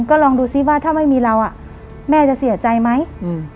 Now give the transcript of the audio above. ก็ลองดูซิว่าถ้าไม่มีเราอ่ะแม่จะเสียใจไหมอืม